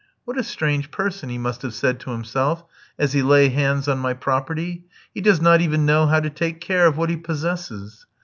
"What a strange person!" he must have said to himself, as he lay hands on my property; "he does not even know how to take care of what he possesses."